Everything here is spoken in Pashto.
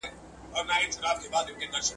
تاسو باید په دې اړه نور معلومات هم ترلاسه کړئ.